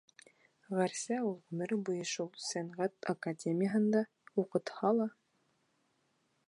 Гәрсә ул ғүмере буйы шул сәнғәт академияһында уҡытһа ла...